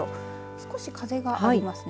少し風がありますね。